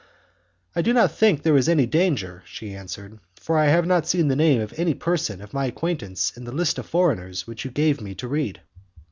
"I do not think there is any danger," she answered; "for I have not seen the name of any person of my acquaintance in the list of foreigners which you gave me to read."